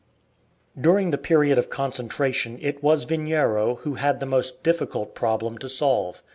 During the period of concentration it was Veniero who had the most difficult problem to solve.